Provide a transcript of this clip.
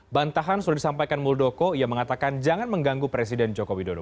bantahan sudah disampaikan muldoko ia mengatakan jangan mengganggu presiden jokowi dodo